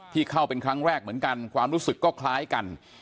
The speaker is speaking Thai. เข้าเป็นครั้งแรกเหมือนกันความรู้สึกก็คล้ายกัน